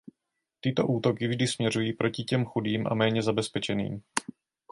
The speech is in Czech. Tyto útoky vždy směřují proti těm chudým a méně zabezpečeným.